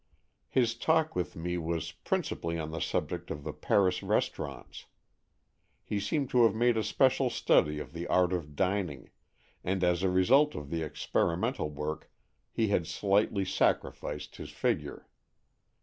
His talk with me was principally on the subject of the Paris restaurants; he seemed to have made a special study of the art of dining, and as a result of the experi mental work he had slightly sacrificed his figure.